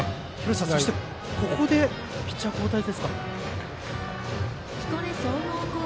そして、ここでピッチャー交代です。